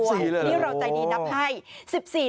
นี่เราใจดีนับให้